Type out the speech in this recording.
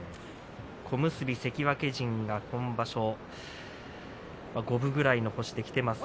小結関脇陣が今場所五分くらいの星できています。